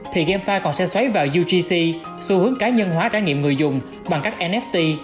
thì gamefi còn sẽ xoáy vào ugc xu hướng cá nhân hóa trải nghiệm người dùng bằng các nft